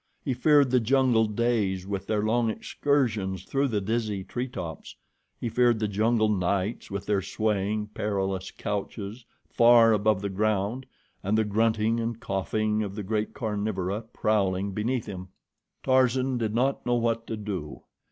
He feared the jungle days with their long excursions through the dizzy tree tops. He feared the jungle nights with their swaying, perilous couches far above the ground, and the grunting and coughing of the great carnivora prowling beneath him. Tarzan did not know what to do.